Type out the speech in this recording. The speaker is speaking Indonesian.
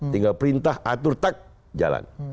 tinggal perintah atur tak jalan